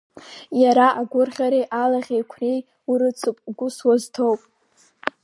Иара агәырӷьареи алахьеиқәреи урыцуп, гәыс уазҭоуп.